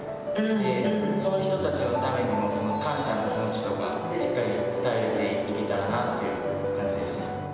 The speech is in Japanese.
その人たちのためにも感謝の気持ちとか、しっかり伝えていけたらなっていう感じです。